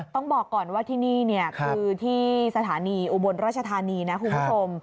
ต้องบอกก่อนว่าที่นี่คือที่สถานีอุบลราชธานีนะคุณผู้ชม